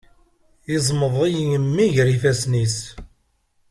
Yeẓmeḍ-iyi mmi ger ifassen-is.